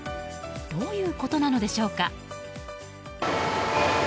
どういうことなのでしょうか。